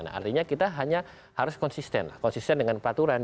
nah artinya kita hanya harus konsisten konsisten dengan peraturan